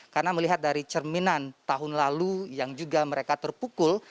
karena melihat dari cerminan tahun lalu yang juga mereka terpukul